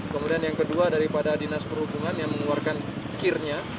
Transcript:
kemudian yang kedua daripada dinas perhubungan yang mengeluarkan kirnya